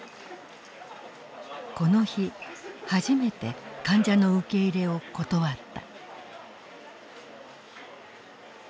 この日初めて患者の受け入れを断った。